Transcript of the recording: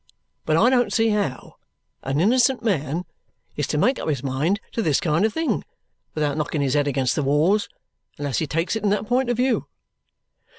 But I don't see how an innocent man is to make up his mind to this kind of thing without knocking his head against the walls unless he takes it in that point of view.